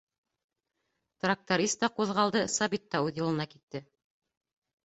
Тракторист та ҡуҙғалды, Сабит та үҙ юлына китте.